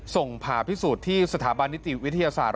ส่งผ่าพิสูจน์ที่สถาบันนิติวิทยาศาสตร์